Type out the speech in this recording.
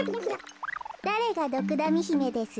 だれがドクダミひめですって？